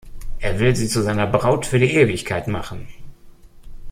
Er will sie zu seiner Braut für die Ewigkeit machen.